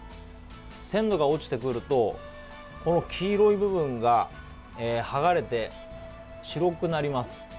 鮮度が落ちてくるとこの黄色い部分が剥がれて白くなります。